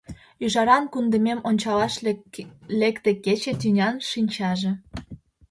Ӱжаран кундемем ончалаш лекте кече — тӱнян шинчаже.